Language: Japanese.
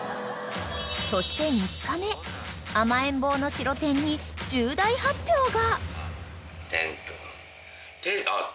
［そして３日目甘えん坊のシロテンに重大発表が］